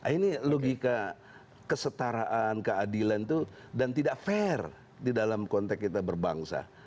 ini logika kesetaraan keadilan itu dan tidak fair di dalam konteks kita berbangsa